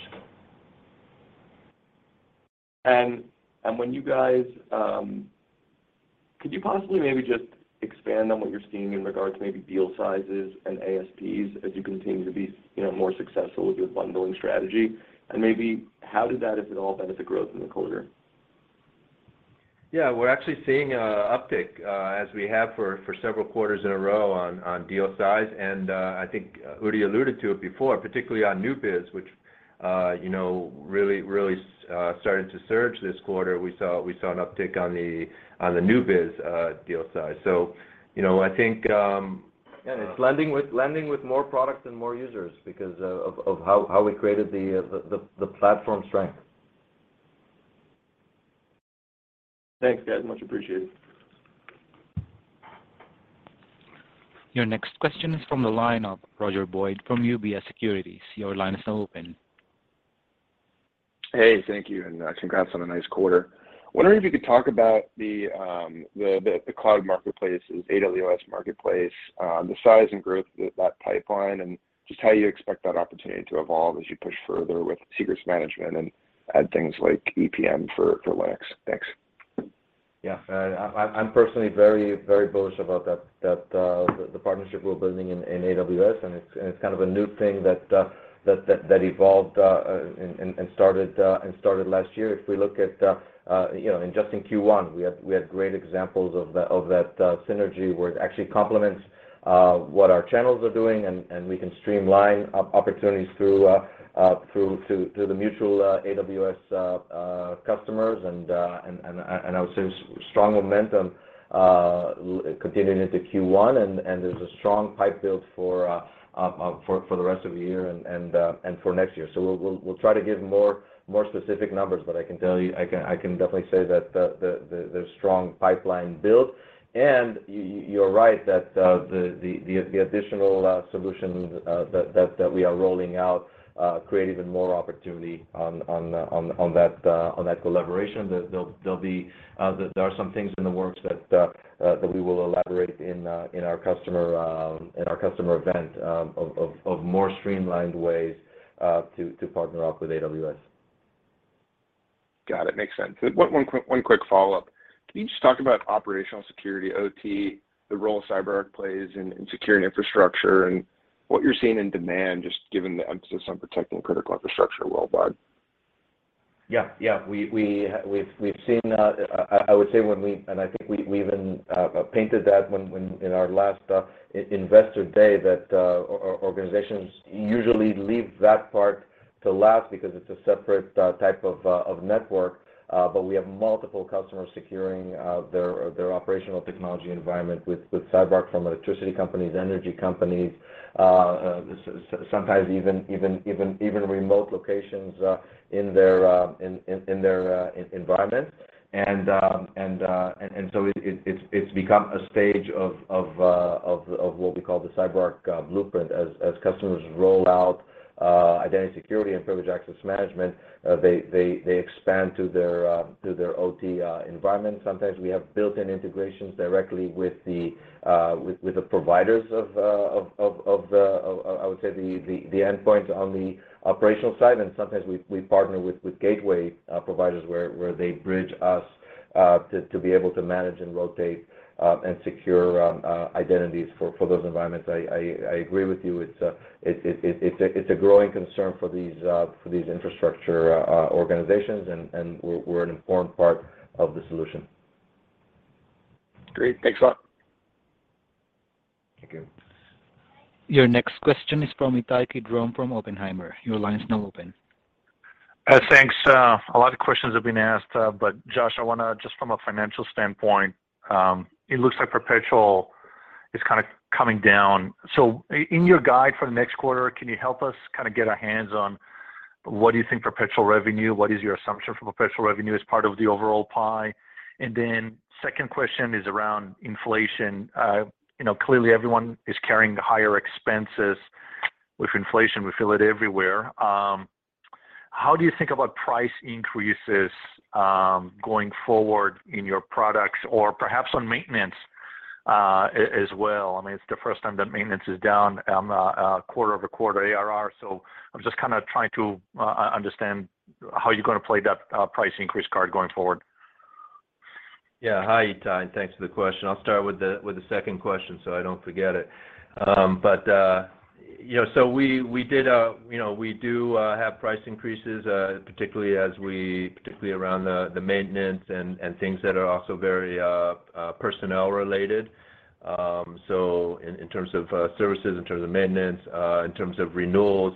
Could you possibly maybe just expand on what you're seeing in regards to maybe deal sizes and ASPs as you continue to be, you know, more successful with your bundling strategy? Maybe how did that, if at all, benefit growth in the quarter? Yeah. We're actually seeing an uptick, as we have for several quarters in a row on deal size. I think Udi alluded to it before, particularly on new biz, which, you know, really started to surge this quarter. We saw an uptick on the new biz deal size. You know, I think, Yeah. It's leading with more products and more users because of how we created the platform strength. Thanks, guys. Much appreciated. Your next question is from the line of Roger Boyd from UBS Securities. Your line is now open. Hey, thank you, and congrats on a nice quarter. Wondering if you could talk about the cloud marketplaces, AWS Marketplace, the size and growth of that pipeline, and just how you expect that opportunity to evolve as you push further with secrets management and add things like EPM for Linux. Thanks. Yeah, I'm personally very bullish about the partnership we're building in AWS, and it's kind of a new thing that evolved and started last year. If we look at, you know, in just Q1, we had great examples of that synergy where it actually complements what our channels are doing, and we can streamline opportunities through to the mutual AWS customers, and I would say strong momentum continuing into Q1, and there's a strong pipe build for the rest of the year and for next year. We'll try to give more specific numbers, but I can tell you, I can definitely say that there's strong pipeline build. You're right that the additional solutions that we are rolling out create even more opportunity on that collaboration. There are some things in the works that we will elaborate in our customer event of more streamlined ways to partner up with AWS. Got it. Makes sense. One quick follow-up. Can you just talk about operational security, OT, the role CyberArk plays in securing infrastructure and what you're seeing in demand, just given the emphasis on protecting critical infrastructure worldwide? Yeah. We've seen. I would say when we painted that when in our last investor day that organizations usually leave that part to last because it's a separate type of network, but we have multiple customers securing their operational technology environment with CyberArk, from electricity companies, energy companies, sometimes even remote locations in their environment. So it's become a stage of what we call the CyberArk Blueprint. As customers roll out identity security and privileged access management, they expand to their OT environment. Sometimes we have built-in integrations directly with the providers of the endpoints on the operational side, and sometimes we partner with gateway providers where they bridge us to be able to manage and rotate and secure identities for those environments. I agree with you. It's a growing concern for these infrastructure organizations and we're an important part of the solution. Great. Thanks a lot. Thank you. Your next question is from Ittai Kidron from Oppenheimer. Your line is now open. A lot of questions have been asked, but Josh, I want to just from a financial standpoint, it looks like perpetual is kind of coming down. In your guide for the next quarter, can you help us kind of get our hands on what do you think perpetual revenue, what is your assumption for perpetual revenue as part of the overall pie? And then second question is around inflation. You know, clearly everyone is carrying higher expenses with inflation. We feel it everywhere. How do you think about price increases, going forward in your products or perhaps on maintenance, as well? I mean, it's the first time that maintenance is down on a quarter-over-quarter ARR. I'm just kind of trying to understand how you're going to play that, price increase card going forward. Yeah. Hi, Ittai. Thanks for the question. I'll start with the second question, so I don't forget it. We do have price increases, particularly around the maintenance and things that are also very personnel related. In terms of services, in terms of maintenance, in terms of renewals,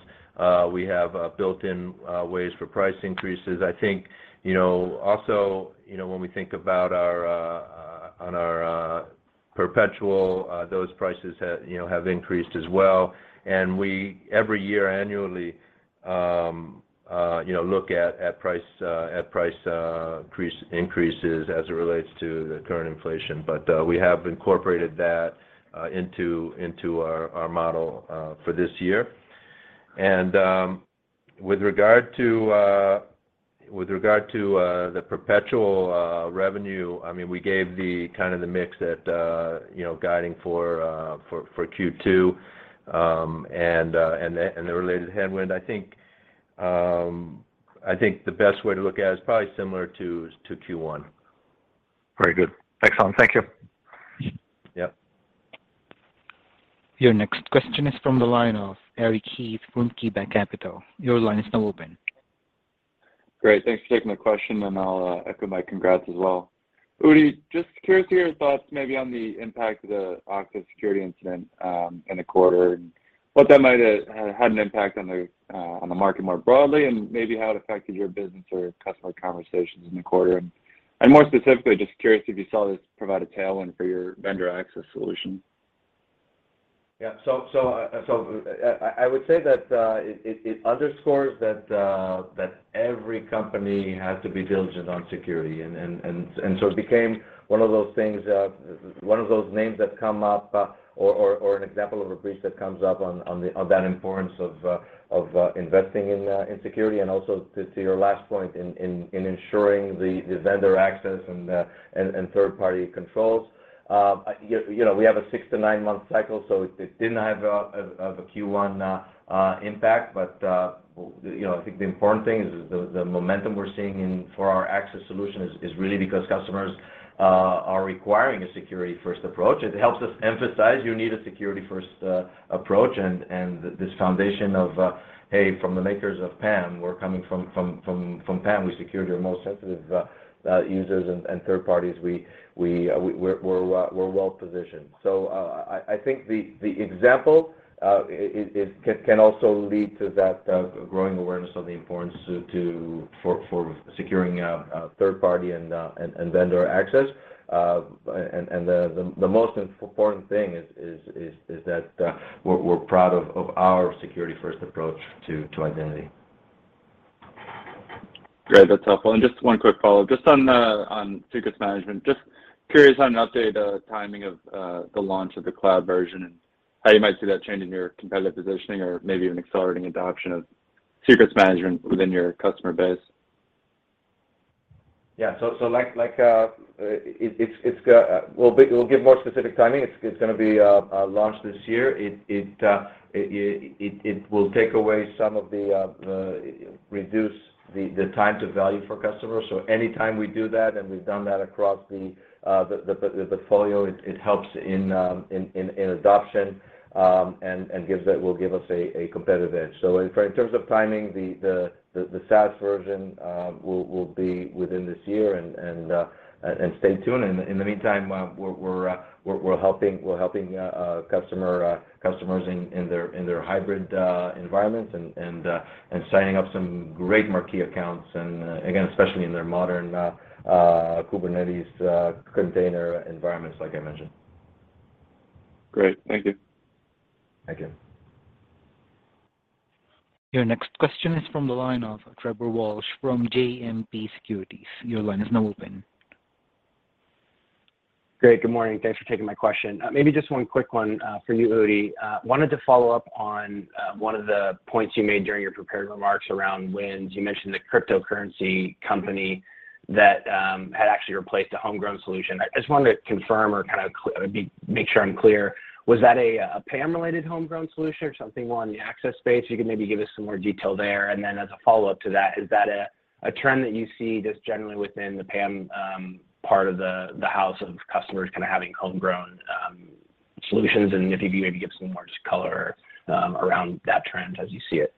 we have built-in ways for price increases. I think, also, when we think about our perpetual, those prices have increased as well. We every year annually look at price increases as it relates to the current inflation. We have incorporated that into our model for this year. With regard to the perpetual revenue, I mean, we gave the kind of mix that you know guiding for Q2 and the related headwind. I think the best way to look at it is probably similar to Q1. Very good. Excellent. Thank you. Yep. Your next question is from the line of Eric Heath from KeyBanc Capital Markets. Your line is now open. Great. Thanks for taking the question, and I'll echo my congrats as well. Udi, just curious your thoughts maybe on the impact of the Okta security incident in the quarter and what that might have had an impact on the market more broadly, and maybe how it affected your business or customer conversations in the quarter. More specifically, just curious if you saw this provide a tailwind for your vendor access solution. I would say that it underscores that every company has to be diligent on security. It became one of those things, one of those names that come up, or an example of a breach that comes up on the importance of investing in security and also to your last point in ensuring the vendor access and third-party controls. You know, we have a six to nine-month cycle, so it didn't have a Q1 impact. You know, I think the important thing is the momentum we're seeing in our access solution is really because customers are requiring a security-first approach. It helps us emphasize you need a security-first approach and this foundation of "Hey, from the makers of PAM, we're coming from PAM. We secure your most sensitive users and third parties. We're well-positioned." So, I think the example can also lead to that growing awareness on the importance for securing a third party and vendor access. The most important thing is that we're proud of our security-first approach to identity. Great. That's helpful. Just one quick follow-up. Just on secrets management, just curious on an update, timing of the launch of the cloud version, and how you might see that changing your competitive positioning or maybe even accelerating adoption of secrets management within your customer base. We'll give more specific timing. It's gonna be launched this year. It will reduce the time to value for customers. Anytime we do that, and we've done that across the portfolio, it helps in adoption and will give us a competitive edge. In terms of timing, the SaaS version will be within this year and stay tuned. In the meantime, we're helping customers in their hybrid environments and signing up some great marquee accounts and, again, especially in their modern Kubernetes container environments, like I mentioned. Great. Thank you. Thank you. Your next question is from the line of Trevor Walsh from JMP Securities. Your line is now open. Great. Good morning. Thanks for taking my question. Maybe just one quick one for you, Udi. Wanted to follow up on one of the points you made during your prepared remarks around wins. You mentioned a cryptocurrency company that had actually replaced a homegrown solution. I just wanted to confirm or kind of make sure I'm clear, was that a PAM-related homegrown solution or something more on the access space? You can maybe give us some more detail there. As a follow-up to that, is that a trend that you see just generally within the PAM part of the customer base kind of having homegrown solutions? If you can maybe give some more color around that trend as you see it.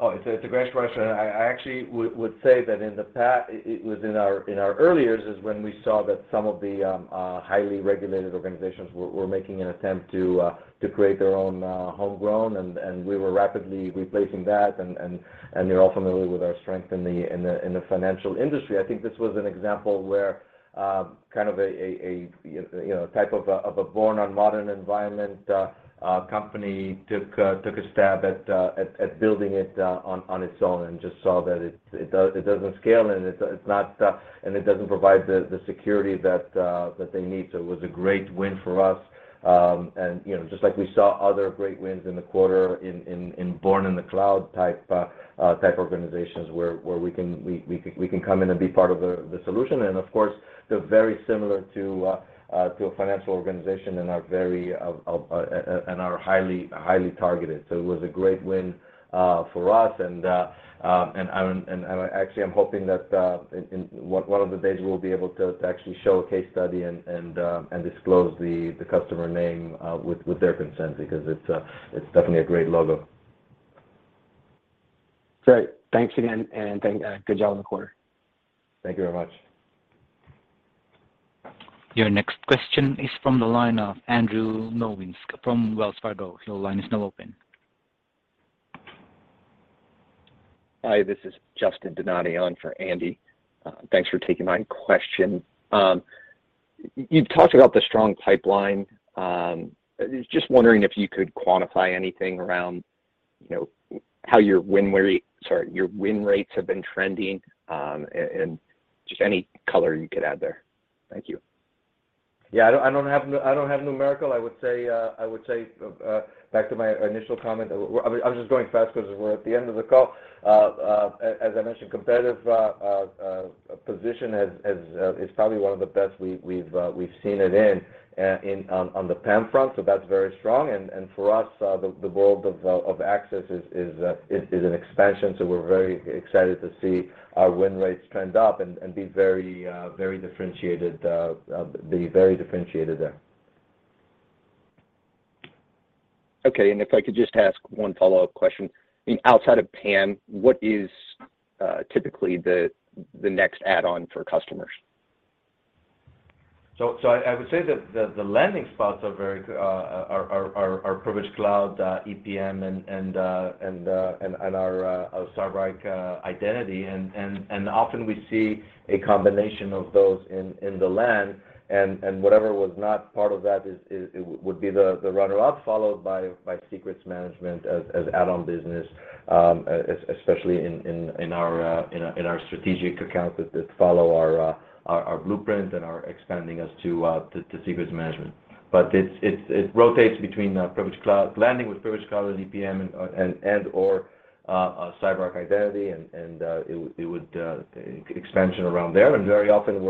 Oh, it's a great question. I actually would say that it was in our early years when we saw that some of the highly regulated organizations were making an attempt to create their own homegrown, and we were rapidly replacing that. You're all familiar with our strength in the financial industry. I think this was an example where kind of a you know type of a born-in modern environment company took a stab at building it on its own and just saw that it doesn't scale and it's not, and it doesn't provide the security that they need. It was a great win for us. You know, just like we saw other great wins in the quarter in born in the cloud type organizations where we can come in and be part of the solution. Of course, they're very similar to a financial organization and are very highly targeted. It was a great win for us and I actually am hoping that in one of the days we'll be able to actually show a case study and disclose the customer name with their consent because it's definitely a great logo. Great. Thanks again, good job on the quarter. Thank you very much. Your next question is from the line of Andrew Nowinski from Wells Fargo. Your line is now open. Hi, this is Justin Donati on for Andy. Thanks for taking my question. You've talked about the strong pipeline. Just wondering if you could quantify anything around, you know, how your win rates have been trending, and just any color you could add there. Thank you. Yeah. I don't have numerical. I would say back to my initial comment. I was just going fast because we're at the end of the call. As I mentioned, competitive position is probably one of the best we've seen it in on the PAM front, so that's very strong. For us, the world of access is an expansion, so we're very excited to see our win rates trend up and be very differentiated there. Okay. If I could just ask one follow-up question. I mean, outside of PAM, what is typically the next add-on for customers? I would say the landing spots are very Privilege Cloud, EPM and our CyberArk Identity. Often we see a combination of those in the land. Whatever was not part of that is would be the runner-up, followed by Secrets Manager as add-on business, especially in our strategic accounts that follow our Blueprint and are expanding us to Secrets Manager. It rotates between Privilege Cloud, landing with Privilege Cloud or EPM and or CyberArk Identity, and it would expansion around there. Very often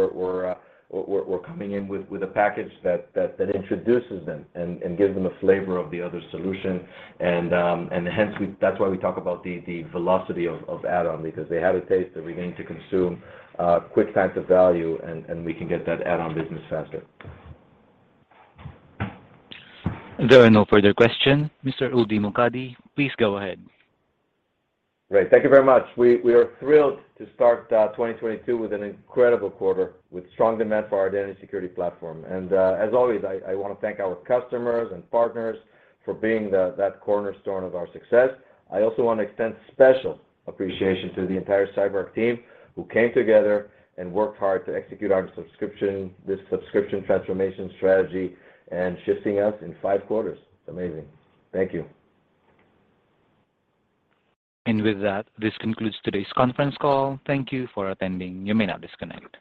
we're coming in with a package that introduces them and gives them a flavor of the other solution. Hence that's why we talk about the velocity of add-on because they have a taste, they're willing to consume quick time to value, and we can get that add-on business faster. There are no further questions. Mr. Udi Mokady, please go ahead. Great. Thank you very much. We are thrilled to start 2022 with an incredible quarter with strong demand for our identity security platform. As always, I want to thank our customers and partners for being that cornerstone of our success. I also want to extend special appreciation to the entire CyberArk team who came together and worked hard to execute our subscription, this subscription transformation strategy and shifting us in five quarters. It's amazing. Thank you. With that, this concludes today's conference call. Thank you for attending. You may now disconnect.